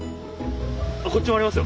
あこっちもありますよ。